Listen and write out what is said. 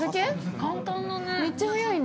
◆簡単だね。